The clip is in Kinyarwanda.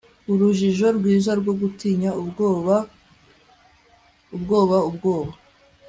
Urujijo rwiza rwo gutinya ubwoba ubwoba ubwoba